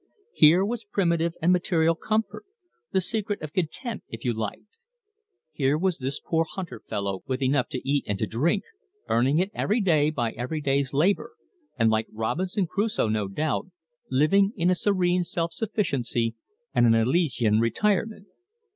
Here was primitive and material comfort, the secret of content, if you liked! Here was this poor hunter fellow, with enough to eat and to drink, earning it every day by every day's labour, and, like Robinson Crusoe no doubt, living in a serene self sufficiency and an elysian retirement.